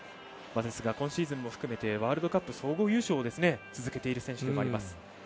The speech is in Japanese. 今シーズンも含めてワールドカップ、総合優勝を続けている選手でもあります。